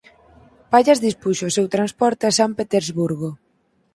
Pallas dispuxo o seu transporte a San Petersburgo.